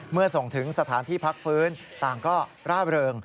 เมื่อส่งถึงสถานที่พักฟื้นต่างก็ร่าเริง